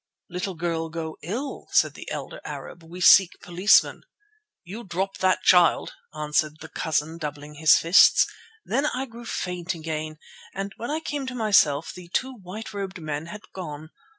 "'Little girl go ill,' said the elder Arab. 'We seek policeman.' "'You drop that child,' answered the 'cousin,' doubling his fists. Then I grew faint again, and when I came to myself the two white robed men had gone.